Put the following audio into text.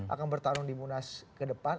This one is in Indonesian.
akan bertarung di munas ke depan